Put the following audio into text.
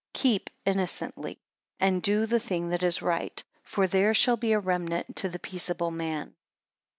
12 Keep innocently, and do the thing that is right, for there shall be a remnant to the peaceable man.